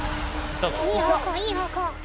いい方向いい方向！